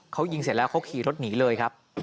เขายิงเสร็จแล้วเขาขี่รถหนีเลยครับ